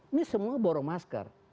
ini semua borong masker